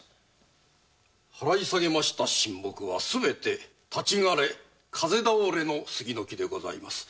払い下げました神木はすべて「立ち枯れ風倒れ」の杉の木でございます。